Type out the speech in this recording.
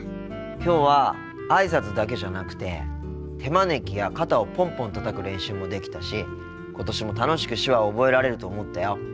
きょうはあいさつだけじゃなくて手招きや肩をポンポンたたく練習もできたし今年も楽しく手話を覚えられると思ったよ。